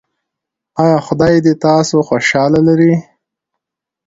ایا خدای دې تاسو خوشحاله لري؟